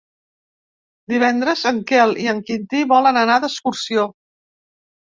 Divendres en Quel i en Quintí volen anar d'excursió.